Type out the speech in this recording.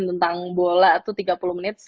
tentang bola itu tiga puluh menit